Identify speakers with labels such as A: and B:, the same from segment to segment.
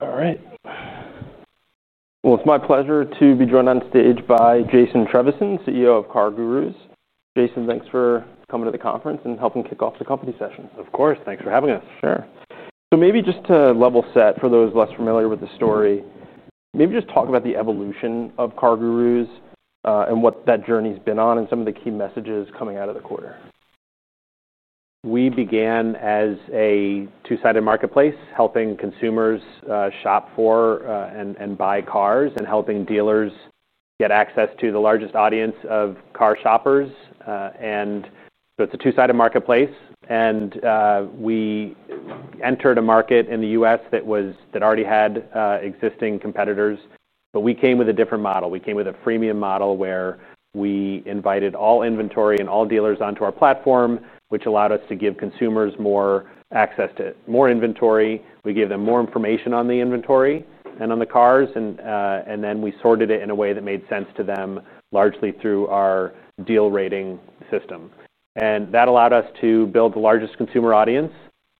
A: All right. It's my pleasure to be joined on stage by Jason Trevisan, CEO of CarGurus Inc. Jason, thanks for coming to the conference and helping kick off the company session.
B: Of course, thanks for having us.
A: Sure. Maybe just to level set for those less familiar with the story, maybe just talk about the evolution of CarGurus Inc., and what that journey's been on and some of the key messages coming out of the quarter.
B: We began as a two-sided marketplace, helping consumers shop for and buy cars and helping dealers get access to the largest audience of car shoppers. It's a two-sided marketplace. We entered a market in the U.S. that already had existing competitors. We came with a different model. We came with a freemium model where we invited all inventory and all dealers onto our platform, which allowed us to give consumers more access to more inventory. We gave them more information on the inventory and on the cars, and then we sorted it in a way that made sense to them, largely through our deal rating system. That allowed us to build the largest consumer audience.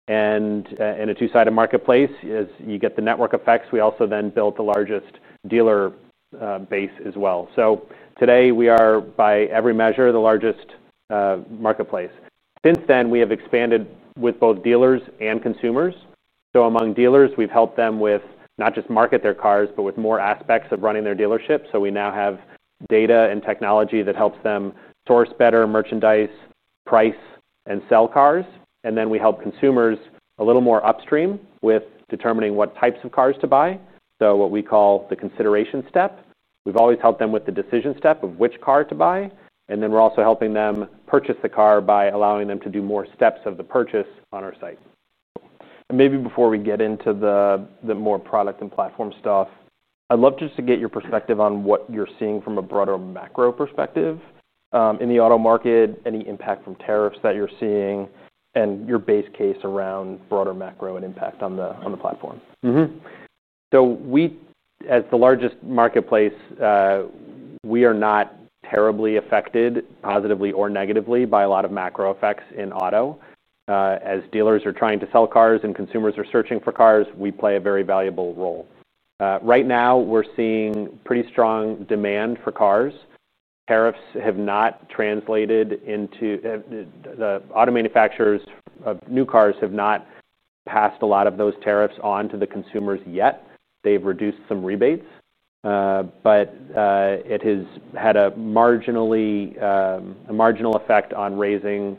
B: In a two-sided marketplace, as you get the network effects, we also then built the largest dealer base as well. Today we are, by every measure, the largest marketplace. Since then, we have expanded with both dealers and consumers. Among dealers, we've helped them with not just marketing their cars, but with more aspects of running their dealership. We now have data and technology that helps them source better merchandise, price, and sell cars. We help consumers a little more upstream with determining what types of cars to buy, what we call the consideration step. We've always helped them with the decision step of which car to buy. We're also helping them purchase the car by allowing them to do more steps of the purchase on our site.
A: Before we get into the more product and platform stuff, I'd love just to get your perspective on what you're seeing from a broader macro perspective in the auto market, any impact from tariffs that you're seeing, and your base case around broader macro and impact on the platform.
B: So we, as the largest marketplace, are not terribly affected positively or negatively by a lot of macro effects in auto. As dealers are trying to sell cars and consumers are searching for cars, we play a very valuable role. Right now, we're seeing pretty strong demand for cars. Tariffs have not translated into the auto manufacturers' new cars; they have not passed a lot of those tariffs onto the consumers yet. They've reduced some rebates, but it has had a marginal effect on raising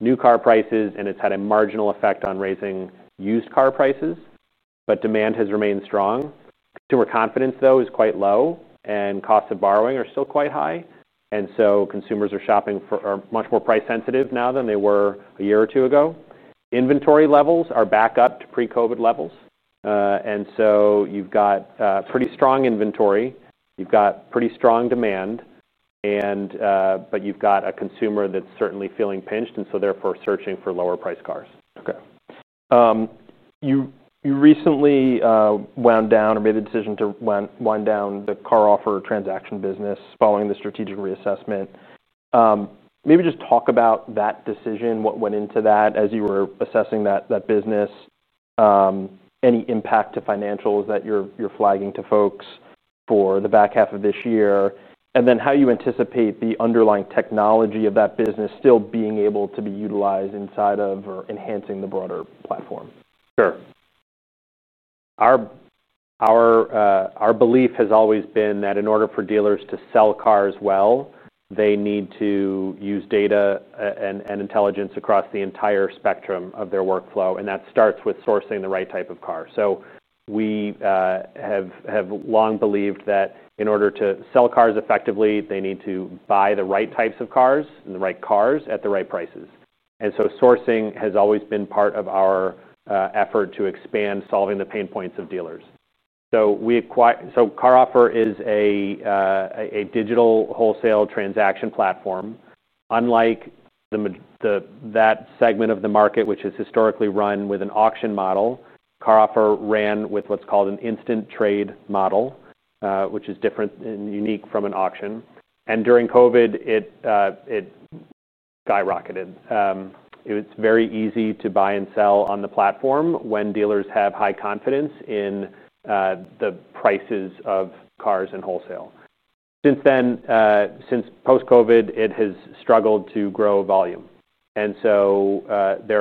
B: new car prices, and it's had a marginal effect on raising used car prices. Demand has remained strong. Consumer confidence, though, is quite low, and costs of borrowing are still quite high. Consumers are shopping much more price-sensitive now than they were a year or two ago. Inventory levels are back up to pre-COVID levels, so you've got pretty strong inventory and pretty strong demand, but you've got a consumer that's certainly feeling pinched and therefore searching for lower-priced cars.
A: Okay. You recently wound down or made a decision to wind down the CarOffer transaction business following the strategic reassessment. Maybe just talk about that decision, what went into that as you were assessing that business, any impact to financials that you're flagging to folks for the back half of this year, and then how you anticipate the underlying technology of that business still being able to be utilized inside of or enhancing the broader platform.
B: Sure. Our belief has always been that in order for dealers to sell cars well, they need to use data and intelligence across the entire spectrum of their workflow. That starts with sourcing the right type of car. We have long believed that in order to sell cars effectively, they need to buy the right types of cars and the right cars at the right prices. Sourcing has always been part of our effort to expand solving the pain points of dealers. We acquire, so CarOffer is a digital wholesale transaction platform. Unlike that segment of the market, which has historically run with an auction model, CarOffer ran with what's called an instant trade model, which is different and unique from an auction. During COVID, it skyrocketed. It's very easy to buy and sell on the platform when dealers have high confidence in the prices of cars and wholesale. Since post-COVID, it has struggled to grow volume. There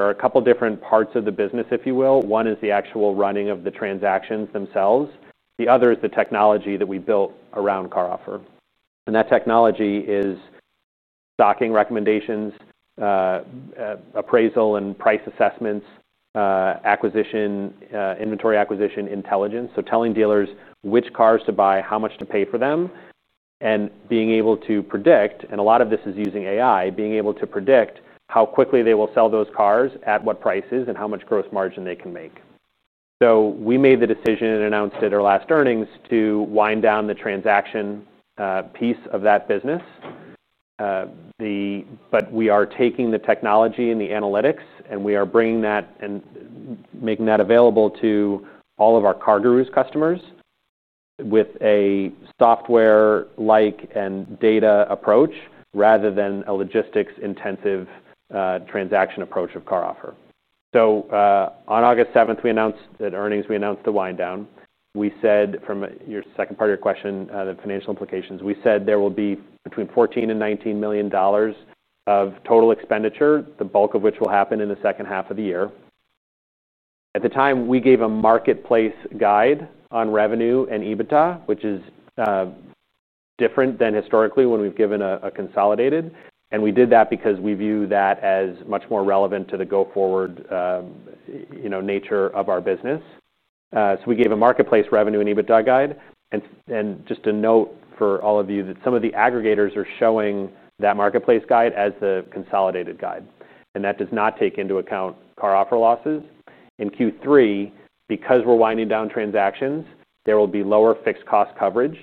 B: are a couple of different parts of the business, if you will. One is the actual running of the transactions themselves. The other is the technology that we built around CarOffer. That technology is stocking recommendations, appraisal and price assessments, inventory acquisition intelligence. Telling dealers which cars to buy, how much to pay for them, and being able to predict, and a lot of this is using AI, being able to predict how quickly they will sell those cars, at what prices, and how much gross margin they can make. We made the decision and announced at our last earnings to wind down the transaction piece of that business. We are taking the technology and the analytics, and we are bringing that and making that available to all of our CarGurus customers with a software-like and data approach rather than a logistics-intensive transaction approach of CarOffer. On August 7th, we announced at earnings, we announced the wind down. From your second part of your question, the financial implications, we said there will be between $14 million and $19 million of total expenditure, the bulk of which will happen in the second half of the year. At the time, we gave a marketplace guide on revenue and EBITDA, which is different than historically when we've given a consolidated. We did that because we view that as much more relevant to the go-forward nature of our business. We gave a marketplace revenue and EBITDA guide. Just a note for all of you that some of the aggregators are showing that marketplace guide as the consolidated guide, and that does not take into account CarOffer losses. In Q3, because we're winding down transactions, there will be lower fixed cost coverage,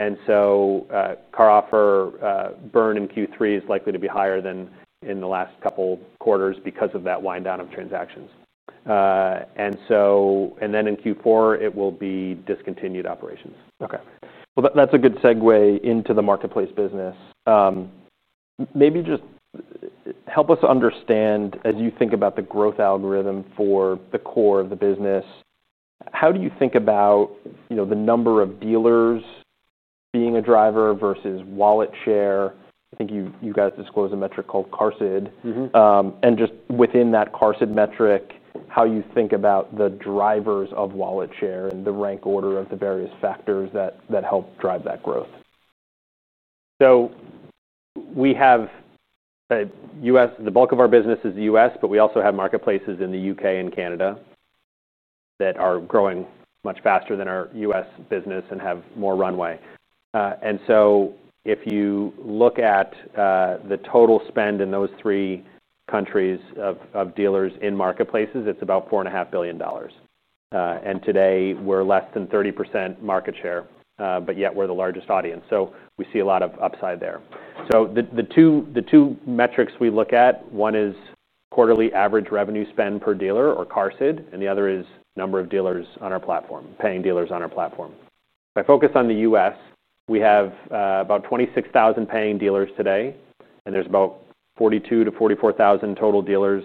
B: and so CarOffer burn in Q3 is likely to be higher than in the last couple of quarters because of that wind down of transactions. In Q4, it will be discontinued operations.
A: Okay. That's a good segue into the marketplace business. Maybe just help us understand as you think about the growth algorithm for the core of the business. How do you think about, you know, the number of dealers being a driver versus wallet share? I think you guys disclosed a metric called CARSID. Just within that CARSID metric, how you think about the drivers of wallet share and the rank order of the various factors that help drive that growth.
B: We have a U.S., the bulk of our business is the U.S., but we also have marketplaces in the UK and Canada that are growing much faster than our U.S. business and have more runway. If you look at the total spend in those three countries of dealers in marketplaces, it's about $4.5 billion. Today we're less than 30% market share, but yet we're the largest audience. We see a lot of upside there. The two metrics we look at, one is quarterly average revenue spend per dealer or CARSID, and the other is number of dealers on our platform, paying dealers on our platform. If I focus on the U.S., we have about 26,000 paying dealers today, and there's about 42,000 to 44,000 total dealers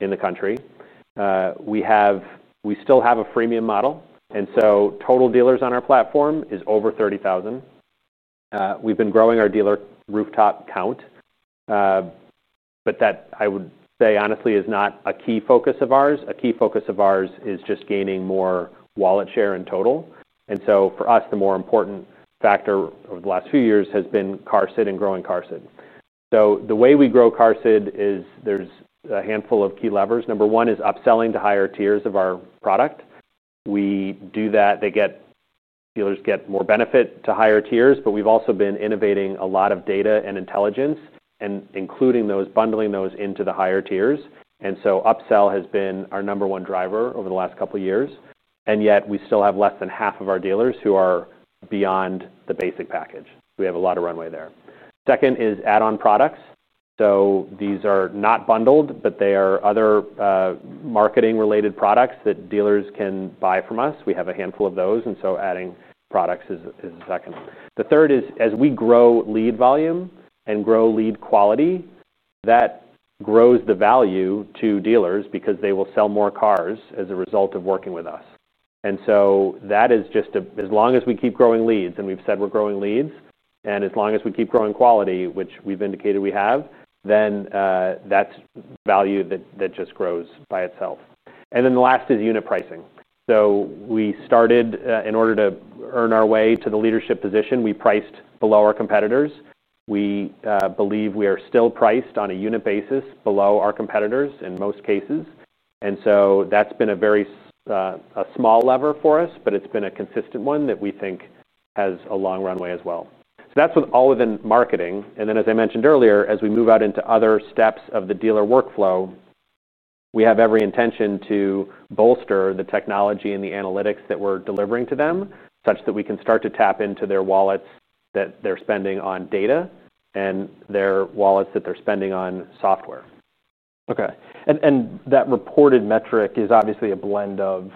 B: in the country. We still have a freemium model, and so total dealers on our platform is over 30,000. We've been growing our dealer rooftop count, but that I would say honestly is not a key focus of ours. A key focus of ours is just gaining more wallet share in total. For us, the more important factor over the last few years has been CARSID and growing CARSID. The way we grow CARSID is there's a handful of key levers. Number one is upselling to higher tiers of our product. We do that. Dealers get more benefit to higher tiers, but we've also been innovating a lot of data and intelligence and including those, bundling those into the higher tiers. Upsell has been our number one driver over the last couple of years, and yet we still have less than half of our dealers who are beyond the basic package. We have a lot of runway there. Second is add-on products. These are not bundled, but they are other marketing-related products that dealers can buy from us. We have a handful of those, and so adding products is the second. The third is as we grow lead volume and grow lead quality, that grows the value to dealers because they will sell more cars as a result of working with us. As long as we keep growing leads, and we've said we're growing leads, and as long as we keep growing quality, which we've indicated we have, then that's value that just grows by itself. The last is unit pricing. We started, in order to earn our way to the leadership position, we priced below our competitors. We believe we are still priced on a unit basis below our competitors in most cases. That's been a very small lever for us, but it's been a consistent one that we think has a long runway as well. That is all within marketing. As I mentioned earlier, as we move out into other steps of the dealer workflow, we have every intention to bolster the technology and the analytics that we're delivering to them, such that we can start to tap into their wallets that they're spending on data and their wallets that they're spending on software.
A: Okay. That reported metric is obviously a blend of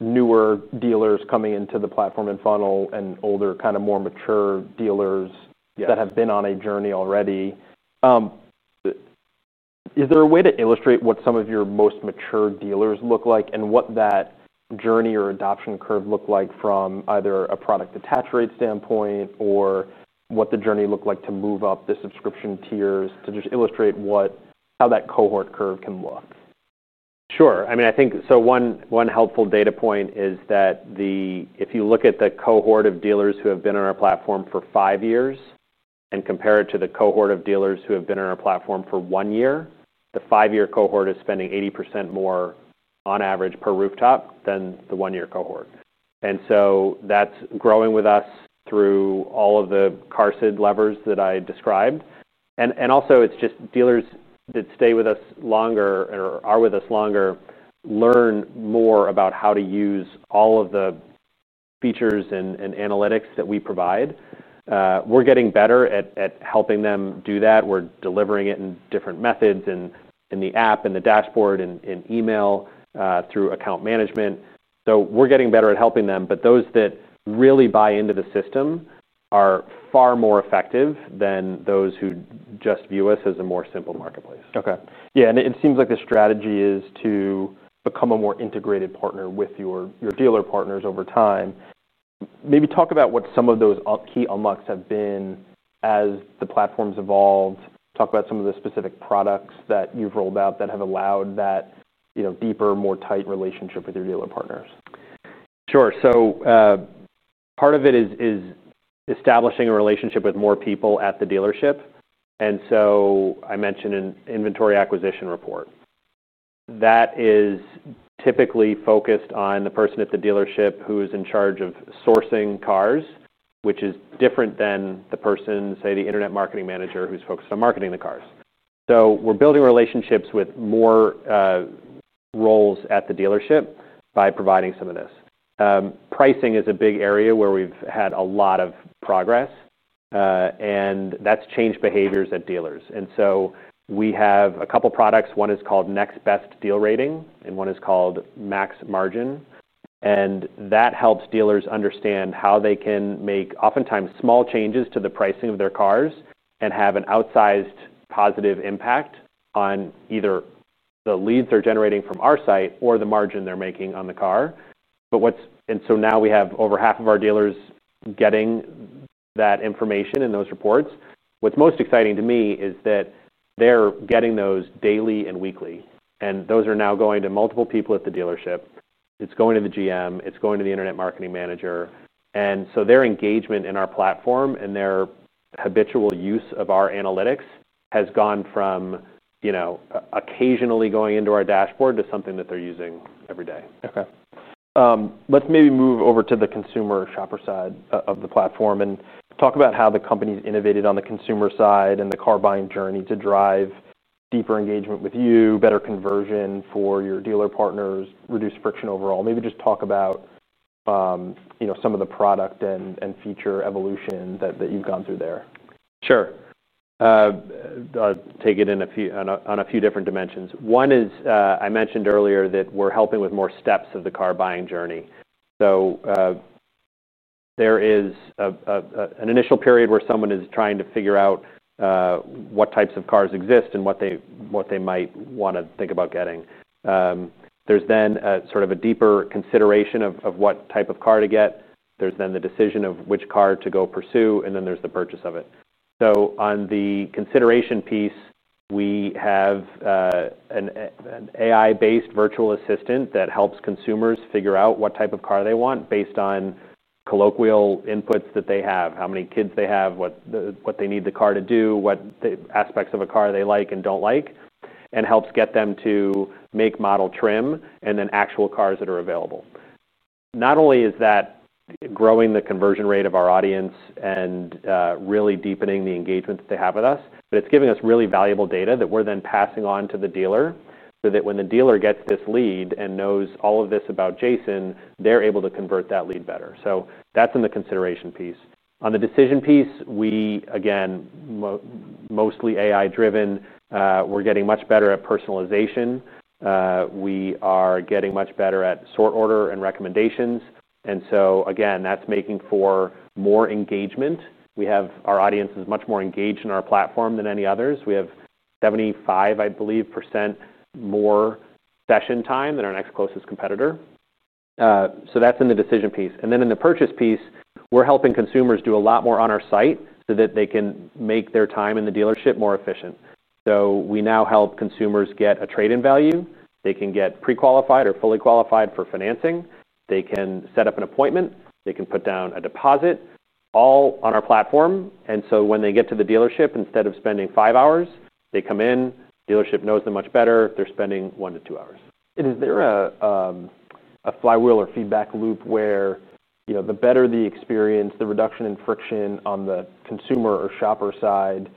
A: newer dealers coming into the platform and funnel, and older, kind of more mature dealers that have been on a journey already. Is there a way to illustrate what some of your most mature dealers look like and what that journey or adoption curve looked like from either a product attach rate standpoint, or what the journey looked like to move up the subscription tiers, to just illustrate how that cohort curve can look?
B: Sure. I mean, I think one helpful data point is that if you look at the cohort of dealers who have been on our platform for five years and compare it to the cohort of dealers who have been on our platform for one year, the five-year cohort is spending 80% more on average per rooftop than the one-year cohort. That's growing with us through all of the CARSID levers that I described. It's also just dealers that stay with us longer or are with us longer learn more about how to use all of the features and analytics that we provide. We're getting better at helping them do that. We're delivering it in different methods, in the app, in the dashboard, in email, through account management. We're getting better at helping them. Those that really buy into the system are far more effective than those who just view us as a more simple marketplace.
A: Okay. It seems like the strategy is to become a more integrated partner with your dealer partners over time. Maybe talk about what some of those key unlocks have been as the platform's evolved. Talk about some of the specific products that you've rolled out that have allowed that deeper, more tight relationship with your dealer partners.
B: Sure. Part of it is establishing a relationship with more people at the dealership. I mentioned an inventory acquisition report. That is typically focused on the person at the dealership who is in charge of sourcing cars, which is different than the person, say, the Internet Marketing Manager who's focused on marketing the cars. We're building relationships with more roles at the dealership by providing some of this. Pricing is a big area where we've had a lot of progress, and that's changed behaviors at dealers. We have a couple of products. One is called Next Best Deal Rating, and one is called Max Margin. That helps dealers understand how they can make oftentimes small changes to the pricing of their cars and have an outsized positive impact on either the leads they're generating from our site or the margin they're making on the car. Now we have over half of our dealers getting that information in those reports. What's most exciting to me is that they're getting those daily and weekly. Those are now going to multiple people at the dealership. It's going to the GM. It's going to the Internet Marketing Manager. Their engagement in our platform and their habitual use of our analytics has gone from, you know, occasionally going into our dashboard to something that they're using every day.
A: Okay. Let's maybe move over to the consumer shopper side of the platform and talk about how the company's innovated on the consumer side and the car buying journey to drive deeper engagement with you, better conversion for your dealer partners, reduce friction overall. Maybe just talk about some of the product and feature evolution that you've gone through there.
B: Sure. I'll take it on a few different dimensions. One is, I mentioned earlier that we're helping with more steps of the car buying journey. There is an initial period where someone is trying to figure out what types of cars exist and what they might want to think about getting. There's then a sort of a deeper consideration of what type of car to get. There's then the decision of which car to go pursue, and then there's the purchase of it. On the consideration piece, we have an AI-based virtual assistant that helps consumers figure out what type of car they want based on colloquial inputs that they have, how many kids they have, what they need the car to do, what the aspects of a car they like and don't like, and helps get them to make, model, trim, and then actual cars that are available. Not only is that growing the conversion rate of our audience and really deepening the engagement that they have with us, but it's giving us really valuable data that we're then passing on to the dealer so that when the dealer gets this lead and knows all of this about Jason, they're able to convert that lead better. That's in the consideration piece. On the decision piece, we, again, mostly AI-driven, are getting much better at personalization. We are getting much better at sort order and recommendations. Again, that's making for more engagement. Our audience is much more engaged in our platform than any others. We have 75% more session time than our next closest competitor. That's in the decision piece. In the purchase piece, we're helping consumers do a lot more on our site so that they can make their time in the dealership more efficient. We now help consumers get a trade-in value. They can get pre-qualified or fully qualified for financing. They can set up an appointment. They can put down a deposit all on our platform. When they get to the dealership, instead of spending five hours, they come in, the dealership knows them much better. They're spending one to two hours.
A: Is there a flywheel or feedback loop where the better the experience, the reduction in friction on the consumer or shopper side,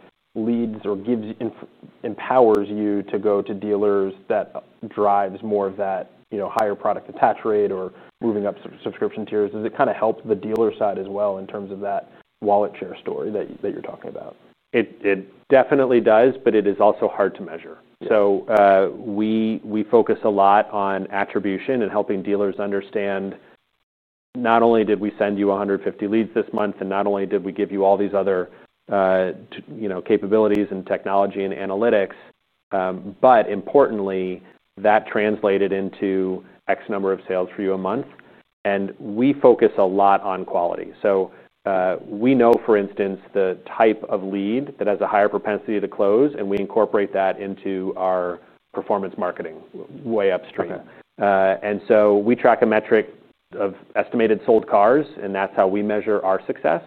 A: empowers you to go to dealers that drives more of that higher product attach rate or moving up subscription tiers? Does it kind of help the dealer side as well in terms of that wallet share story that you're talking about?
B: It definitely does, but it is also hard to measure. We focus a lot on attribution and helping dealers understand not only did we send you 150 leads this month and not only did we give you all these other, you know, capabilities and technology and analytics, but importantly, that translated into X number of sales for you a month. We focus a lot on quality. We know, for instance, the type of lead that has a higher propensity to close, and we incorporate that into our performance marketing way upstream. We track a metric of estimated sold cars, and that's how we measure our success.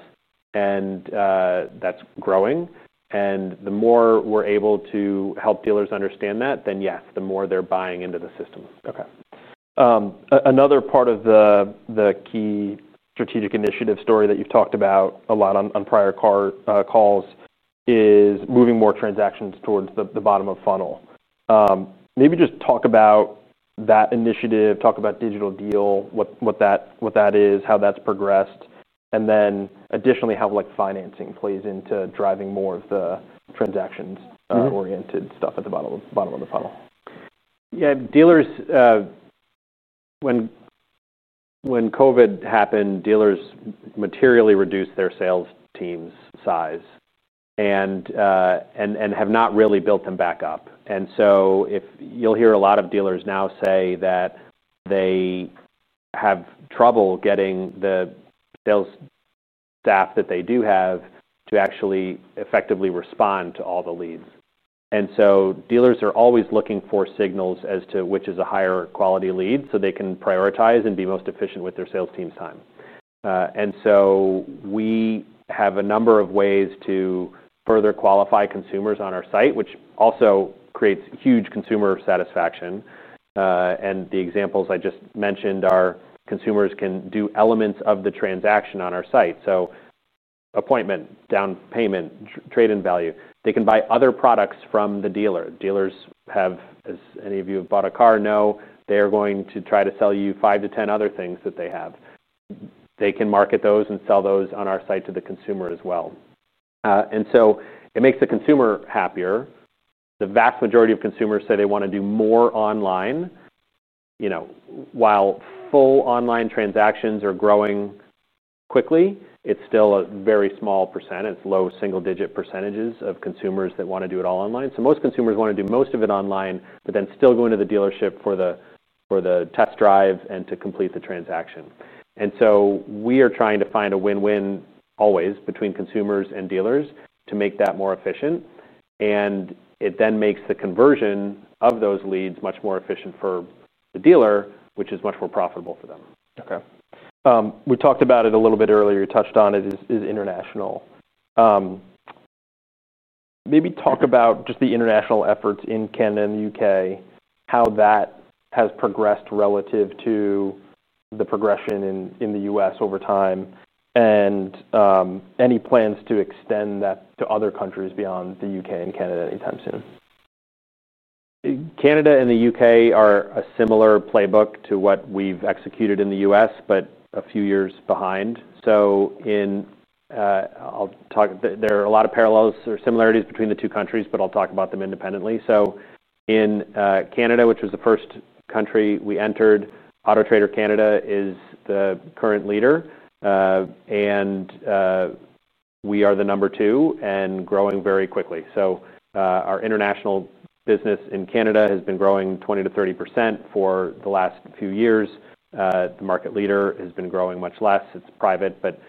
B: That's growing. The more we're able to help dealers understand that, then yes, the more they're buying into the system.
A: Okay. Another part of the key strategic initiative story that you've talked about a lot on prior calls is moving more transactions towards the bottom of funnel. Maybe just talk about that initiative, talk about digital deal, what that is, how that's progressed, and then additionally how financing plays into driving more of the transactions oriented stuff at the bottom of the funnel.
B: Dealers, when COVID happened, dealers materially reduced their sales teams' size and have not really built them back up. If you'll hear, a lot of dealers now say that they have trouble getting the sales staff that they do have to actually effectively respond to all the leads. Dealers are always looking for signals as to which is a higher quality lead so they can prioritize and be most efficient with their sales team's time. We have a number of ways to further qualify consumers on our site, which also creates huge consumer satisfaction. The examples I just mentioned are consumers can do elements of the transaction on our site: appointment, down payment, trade-in value. They can buy other products from the dealer. Dealers have, as any of you have bought a car, know they're going to try to sell you five to ten other things that they have. They can market those and sell those on our site to the consumer as well. It makes the consumer happier. The vast majority of consumers say they want to do more online. While full online transactions are growing quickly, it's still a very small %. It's low single-digit % of consumers that want to do it all online. Most consumers want to do most of it online, but then still go into the dealership for the test drive and to complete the transaction. We are trying to find a win-win always between consumers and dealers to make that more efficient. It then makes the conversion of those leads much more efficient for the dealer, which is much more profitable for them.
A: Okay. You talked about it a little bit earlier. You touched on it, international. Maybe talk about just the international efforts in Canada and the UK, how that has progressed relative to the progression in the U.S. over time, and any plans to extend that to other countries beyond the UK and Canada anytime soon.
B: Canada and the UK are a similar playbook to what we've executed in the U.S., but a few years behind. There are a lot of parallels or similarities between the two countries, but I'll talk about them independently. In Canada, which was the first country we entered, Auto Trader Canada is the current leader, and we are the number two and growing very quickly. Our international business in Canada has been growing 20% to 30% for the last few years. The market leader has been growing much less. It's private, but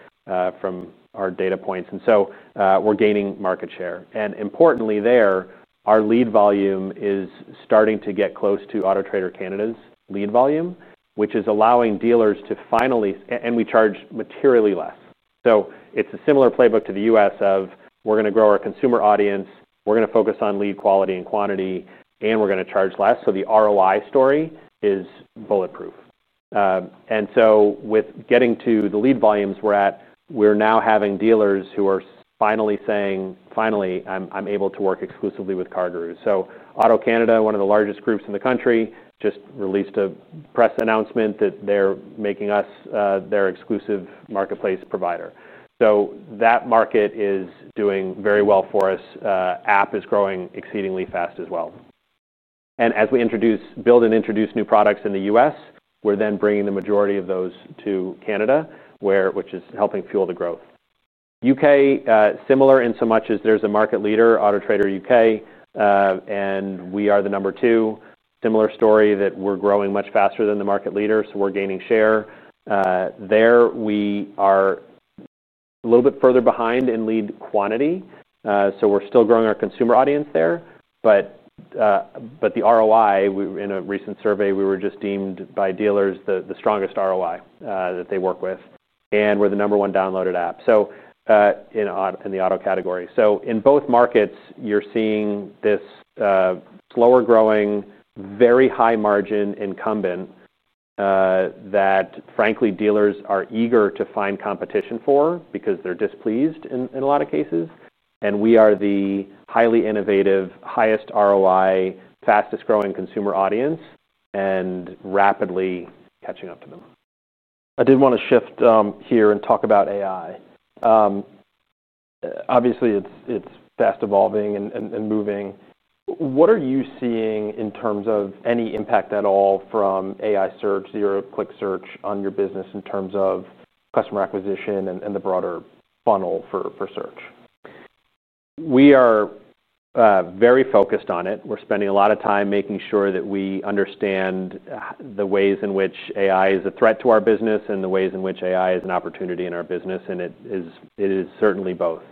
B: from our data points, we're gaining market share. Importantly there, our lead volume is starting to get close to Auto Trader Canada's lead volume, which is allowing dealers to finally, and we charge materially less. It's a similar playbook to the U.S. of we're going to grow our consumer audience, we're going to focus on lead quality and quantity, and we're going to charge less. The ROI story is bulletproof. With getting to the lead volumes we're at, we're now having dealers who are finally saying, finally, I'm able to work exclusively with CarGurus. Auto Canada, one of the largest groups in the country, just released a press announcement that they're making us their exclusive marketplace provider. That market is doing very well for us. App is growing exceedingly fast as well. As we build and introduce new products in the U.S., we're then bringing the majority of those to Canada, which is helping fuel the growth. UK, similar in so much as there's a market leader, Auto Trader UK, and we are the number two. Similar story that we're growing much faster than the market leader. We're gaining share. There, we are a little bit further behind in lead quantity, so we're still growing our consumer audience there. In a recent survey, we were just deemed by dealers the strongest ROI that they work with, and we're the number one downloaded app in the auto category. In both markets, you're seeing this slower growing, very high margin incumbent that frankly dealers are eager to find competition for because they're displeased in a lot of cases. We are the highly innovative, highest ROI, fastest growing consumer audience and rapidly catching up to them.
A: I did want to shift here and talk about AI. Obviously, it's fast evolving and moving. What are you seeing in terms of any impact at all from AI search, zero click search on your business in terms of customer acquisition and the broader funnel for search?
B: We are very focused on it. We're spending a lot of time making sure that we understand the ways in which AI is a threat to our business and the ways in which AI is an opportunity in our business. It is certainly both.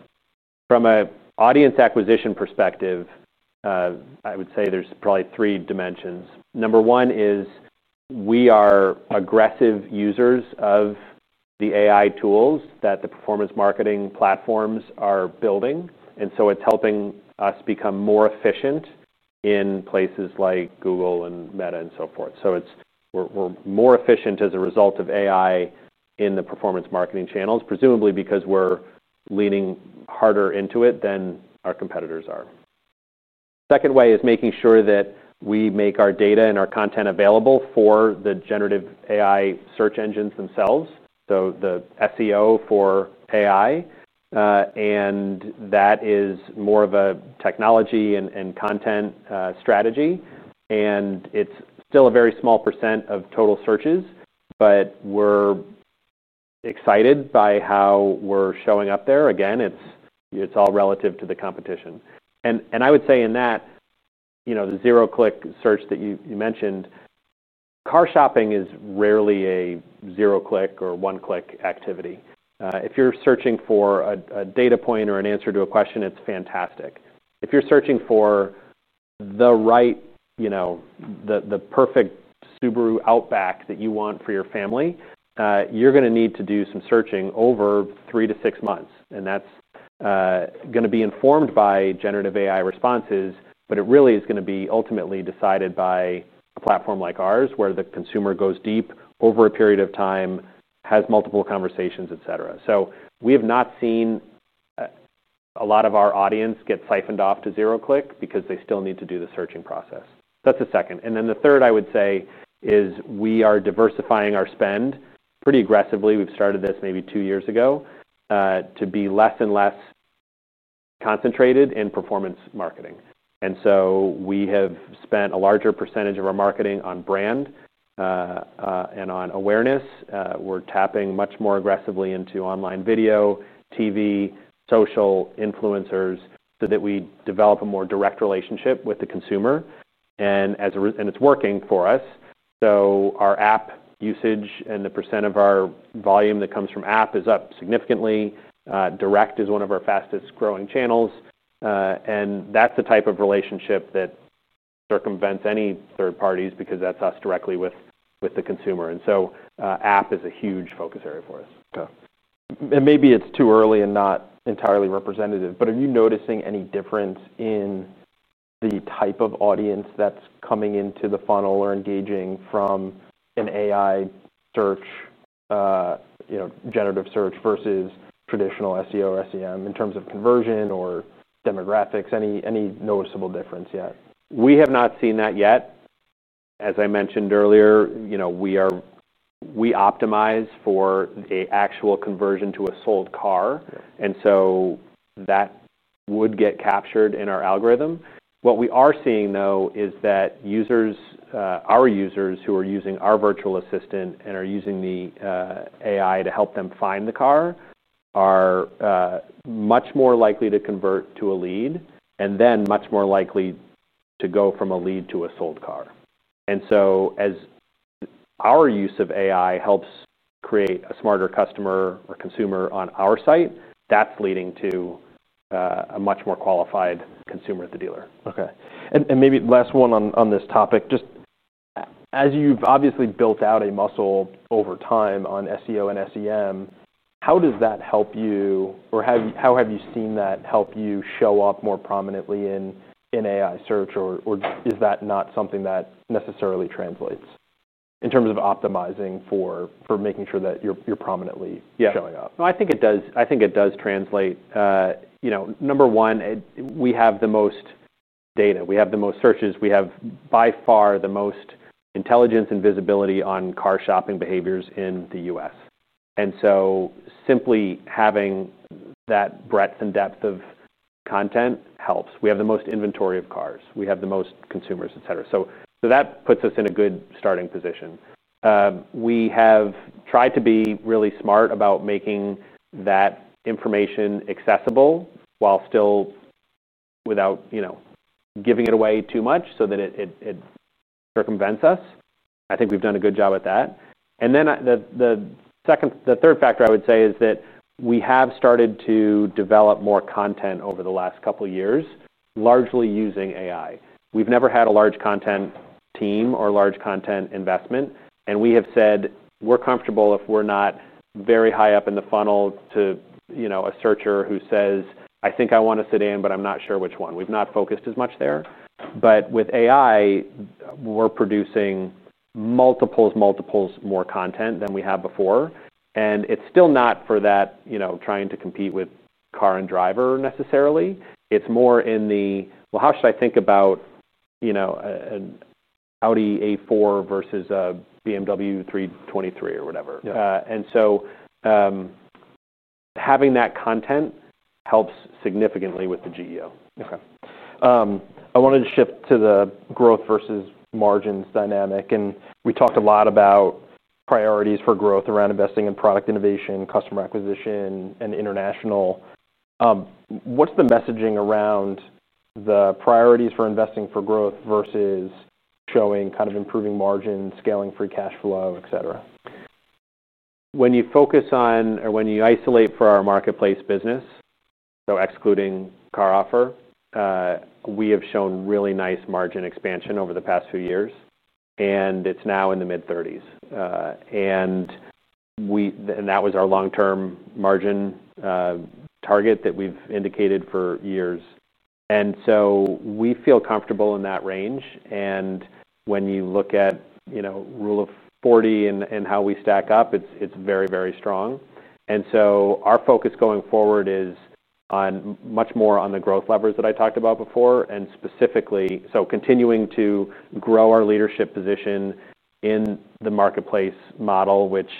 B: From an audience acquisition perspective, I would say there's probably three dimensions. Number one is we are aggressive users of the AI tools that the performance marketing platforms are building. It's helping us become more efficient in places like Google and Meta and so forth. We're more efficient as a result of AI in the performance marketing channels, presumably because we're leaning harder into it than our competitors are. The second way is making sure that we make our data and our content available for the generative AI search engines themselves. The SEO for AI, and that is more of a technology and content strategy. It's still a very small % of total searches, but we're excited by how we're showing up there. It's all relative to the competition. I would say in that, the zero click search that you mentioned, car shopping is rarely a zero click or one click activity. If you're searching for a data point or an answer to a question, it's fantastic. If you're searching for the right, the perfect Subaru Outback that you want for your family, you're going to need to do some searching over three to six months. That's going to be informed by generative AI responses, but it really is going to be ultimately decided by a platform like ours where the consumer goes deep over a period of time, has multiple conversations, etcetera. We have not seen a lot of our audience get siphoned off to zero click because they still need to do the searching process. That's the second. The third I would say is we are diversifying our spend pretty aggressively. We started this maybe two years ago, to be less and less concentrated in performance marketing. We have spent a larger % of our marketing on brand and on awareness. We're tapping much more aggressively into online video, TV, social influencers so that we develop a more direct relationship with the consumer. It's working for us. Our app usage and the % of our volume that comes from app is up significantly. Direct is one of our fastest growing channels. That's the type of relationship that circumvents any third parties because that's us directly with the consumer. App is a huge focus area for us.
A: Okay. Maybe it's too early and not entirely representative, but are you noticing any difference in the type of audience that's coming into the funnel or engaging from an AI search, you know, generative search versus traditional SEO or SEM in terms of conversion or demographics? Any noticeable difference yet?
B: We have not seen that yet. As I mentioned earlier, we optimize for the actual conversion to a sold car, and that would get captured in our algorithm. What we are seeing, though, is that users, our users who are using our virtual assistant and are using the AI to help them find the car, are much more likely to convert to a lead and then much more likely to go from a lead to a sold car. As our use of AI helps create a smarter customer or consumer on our site, that's leading to a much more qualified consumer at the dealer.
A: Okay. Maybe the last one on this topic, just as you've obviously built out a muscle over time on SEO and SEM, how does that help you or how have you seen that help you show up more prominently in AI search, or is that not something that necessarily translates in terms of optimizing for making sure that you're prominently showing up?
B: Yeah, no, I think it does. I think it does translate. Number one, we have the most data. We have the most searches. We have by far the most intelligence and visibility on car shopping behaviors in the U.S., and simply having that breadth and depth of content helps. We have the most inventory of cars. We have the most consumers, etcetera. That puts us in a good starting position. We have tried to be really smart about making that information accessible while still without giving it away too much so that it circumvents us. I think we've done a good job at that. The second, the third factor I would say is that we have started to develop more content over the last couple of years, largely using AI. We've never had a large content team or large content investment. We have said we're comfortable if we're not very high up in the funnel to a searcher who says, I think I want to sit in, but I'm not sure which one. We've not focused as much there. With AI, we're producing multiples, multiples more content than we have before. It's still not for that, trying to compete with Car and Driver necessarily. It's more in the, how should I think about an Audi A4 versus a BMW 323 or whatever.
A: Yeah.
B: Having that content helps significantly with the GEO.
A: Okay. I wanted to shift to the growth versus margins dynamic. We talked a lot about priorities for growth around investing in product innovation, customer acquisition, and international. What's the messaging around the priorities for investing for growth versus showing kind of improving margins, scaling free cash flow, etc.?
B: When you focus on or when you isolate for our marketplace business, so excluding CarOffer, we have shown really nice margin expansion over the past few years. It's now in the mid-30s, and that was our long-term margin target that we've indicated for years. We feel comfortable in that range. When you look at, you know, rule of 40 and how we stack up, it's very, very strong. Our focus going forward is much more on the growth levers that I talked about before and specifically, continuing to grow our leadership position in the marketplace model, which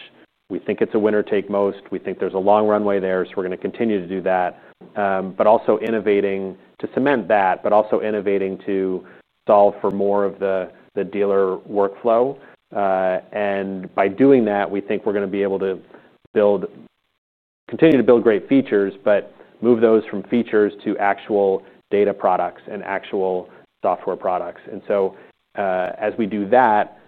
B: we think is a winner take most. We think there's a long runway there. We're going to continue to do that, also innovating to cement that, also innovating to solve for more of the dealer workflow. By doing that, we think we're going to be able to build, continue to build great features, but move those from features to actual data products and actual software products. As we do that,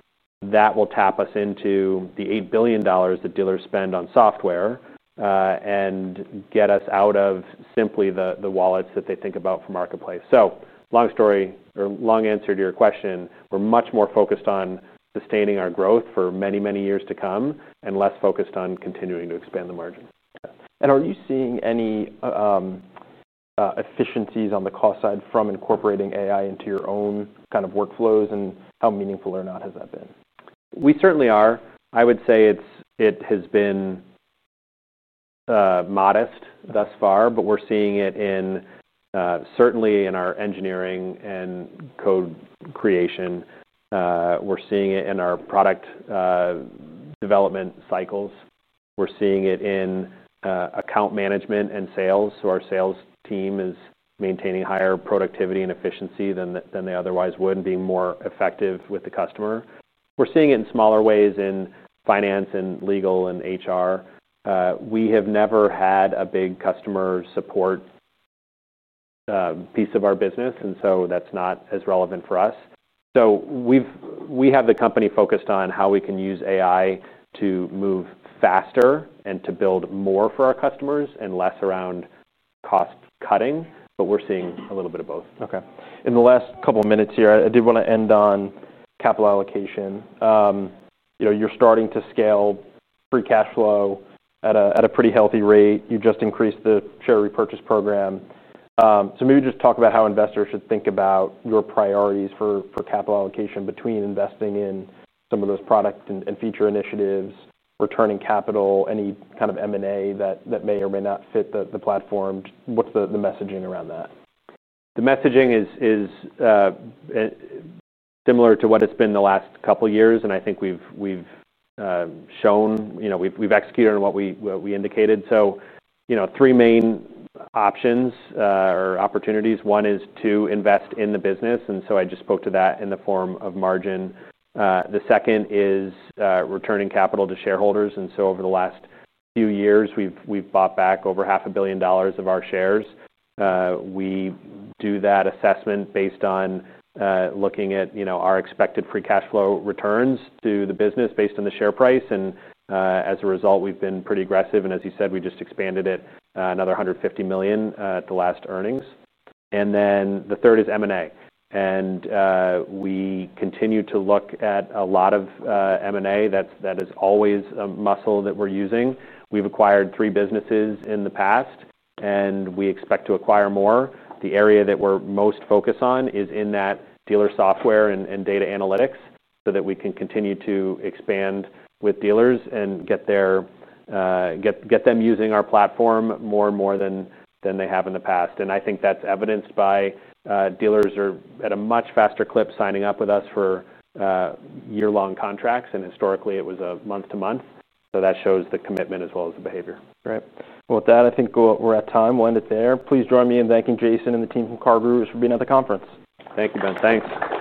B: that will tap us into the $8 billion that dealers spend on software, and get us out of simply the wallets that they think about for marketplace. Long story or long answer to your question, we're much more focused on sustaining our growth for many, many years to come and less focused on continuing to expand the margin.
A: Are you seeing any efficiencies on the cost side from incorporating AI into your own kind of workflows, and how meaningful or not has that been?
B: We certainly are. I would say it has been modest thus far, but we're seeing it certainly in our engineering and code creation. We're seeing it in our product development cycles. We're seeing it in account management and sales. Our sales team is maintaining higher productivity and efficiency than they otherwise would and being more effective with the customer. We're seeing it in smaller ways in finance, legal, and HR. We have never had a big customer support piece of our business, so that's not as relevant for us. We have the company focused on how we can use AI to move faster and to build more for our customers and less around cost cutting. We're seeing a little bit of both.
A: Okay. In the last couple of minutes here, I did want to end on capital allocation. You're starting to scale free cash flow at a pretty healthy rate. You just increased the share repurchase program, so maybe just talk about how investors should think about your priorities for capital allocation between investing in some of those product and feature initiatives, returning capital, any kind of M&A that may or may not fit the platform. What's the messaging around that?
B: The messaging is similar to what it's been the last couple of years. I think we've shown, you know, we've executed on what we indicated. So, you know, three main options or opportunities. One is to invest in the business. I just spoke to that in the form of margin. The second is returning capital to shareholders. Over the last few years, we've bought back over half a billion dollars of our shares. We do that assessment based on looking at, you know, our expected free cash flow returns to the business based on the share price. As a result, we've been pretty aggressive. As you said, we just expanded it, another $150 million, at the last earnings. The third is M&A. We continue to look at a lot of M&A. That is always a muscle that we're using. We've acquired three businesses in the past, and we expect to acquire more. The area that we're most focused on is in that dealer software and data analytics so that we can continue to expand with dealers and get them using our platform more and more than they have in the past. I think that's evidenced by dealers are at a much faster clip signing up with us for year-long contracts. Historically, it was a month-to-month. That shows the commitment as well as the behavior.
A: Right. With that, I think we're at time. We'll end it there. Please join me in thanking Jason and the team from CarGurus Inc. for being at the conference.
B: Thank you, Ben. Thank you.